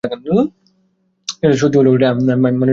সেটা সত্যি হলেও, আমি মানুষের সাথে থাকবো না।